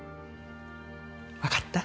分かった？